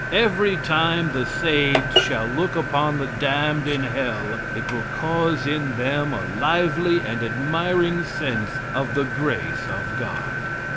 Every time the saved shall look upon the damned in hell it will cause in them a lively and admiring sense of the grace of God.